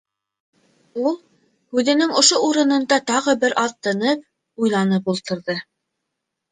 Ул һүҙенең ошо урынында тағы бер аҙ тынып, уйланып ултырҙы.